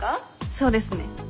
そうですね。